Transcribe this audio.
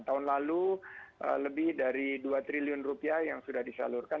tahun lalu lebih dari dua triliun rupiah yang sudah disalurkan